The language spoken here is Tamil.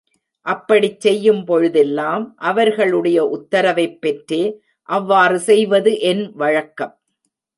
அப்படிச் செய்யும் பொழுதெல்லாம், அவர்களுடைய உத்தரவைப் பெற்றே அவ்வாறு செய்வது என் வழக்கம்.